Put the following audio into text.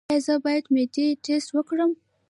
ایا زه باید د معدې ټسټ وکړم؟